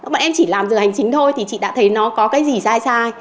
bọn em chỉ làm giờ hành chính thôi thì chị đã thấy nó có cái gì sai sai